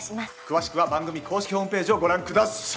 詳しくは番組公式ホームページをご覧ください。